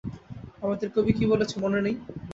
আমাদের কবি কী বলেছে মনে নেই?